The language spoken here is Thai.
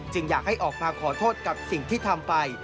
อยากให้ออกมาขอโทษกับสิ่งที่ทำไป